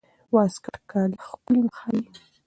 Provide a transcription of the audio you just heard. واسکټ کالي ښکلي ښيي.